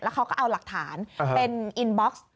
เขาก็เอาหลักฐานเป็นอินบ็อกซ์